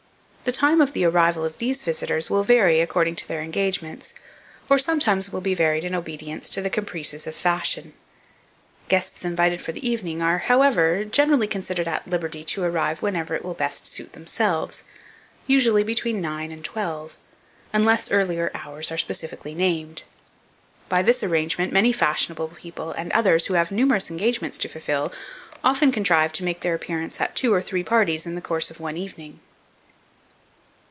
The time of the arrival of these visitors will vary according to their engagements, or sometimes will be varied in obedience to the caprices of fashion. Guests invited for the evening are, however, generally considered at liberty to arrive whenever it will best suit themselves, usually between nine and twelve, unless earlier hours are specifically named. By this arrangement, many fashionable people and others, who have numerous engagements to fulfil, often contrive to make their appearance at two or three parties in the course of one evening.